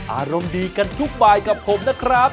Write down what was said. อารมณ์ดีกันทุกบายกับผมนะครับ